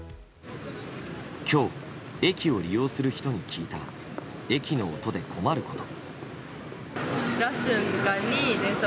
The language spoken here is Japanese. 今日駅を利用する人に聞いた駅の音で困ること。